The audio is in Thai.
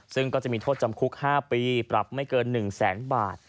ซึ่งก็จะมีโทษจำคุก๕ปีปรับไม่เกิน๑แสนบาท